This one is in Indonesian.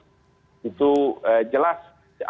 jadi itu jelas